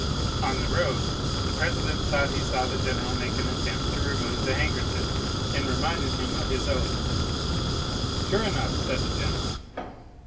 On the road the president thought he saw the general make an attempt to remove the handkerchief, and reminded him of his oath. "Sure enough," said the general.